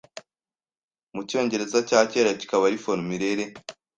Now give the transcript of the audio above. mucyongereza cya kera kikaba ari formulaire